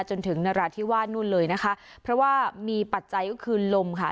จนถึงนราธิวาสนู่นเลยนะคะเพราะว่ามีปัจจัยก็คือลมค่ะ